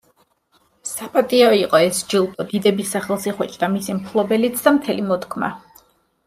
საპატიო იყო ეს ჯილდო, დიდების სახელს იხვეჭდა მისი მფლობელიც და მთელი მოდგმა.